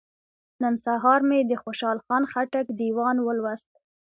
نن سهار مې د خوشحال خان خټک دیوان ولوست.